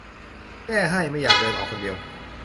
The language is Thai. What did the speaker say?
แก้ให้ ไม่อยากเดินออกคนเดียว